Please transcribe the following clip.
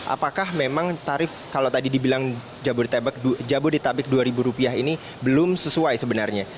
apakah memang tarif kalau tadi dibilang jabodetabek rp dua ini belum sesuai sebenarnya